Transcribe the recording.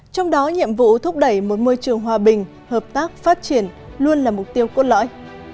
trong đó nhiệm vụ thúc đẩy một môi trường hòa bình hợp tác phát triển luôn là mục tiêu cốt lõi